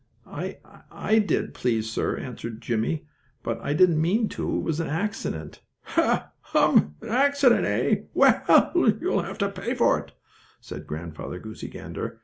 "I I did, please sir," answered Jimmie. "But I didn't mean to. It was an accident." "Ha, hum! An accident, eh? Well, you'll have to pay for it," said Grandfather Goosey Gander.